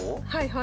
はい。